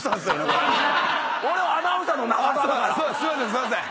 すいません。